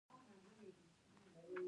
ترفیع د رتبې لوړیدل دي